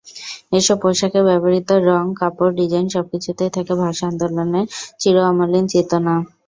এসব পোশাকে ব্যবহূত রং, কাপড়, ডিজাইন—সবকিছুতেই থাকে ভাষা আন্দোলনের চির অমলিন চেতনা।